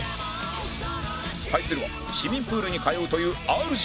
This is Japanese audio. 対するは市民プールに通うという ＲＧ